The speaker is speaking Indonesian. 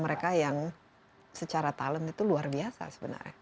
mereka yang secara talent itu luar biasa sebenarnya